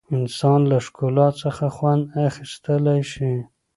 انسان له ښکلا څخه خوند اخیستلی شي.